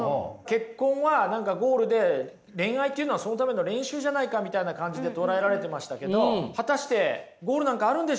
結婚は何かゴールで恋愛っていうのはそのための練習じゃないかみたいな感じで捉えられてましたけど果たしてゴールなんかあるんでしょうか？